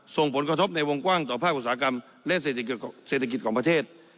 ส่งผลกระทบในวงกว้างต่อภาคอุตสาหกรรมและเศรษฐกิจของประเทศ